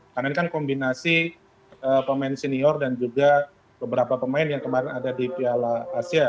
karena ini kan kombinasi pemain senior dan juga beberapa pemain yang kemarin ada di piala asia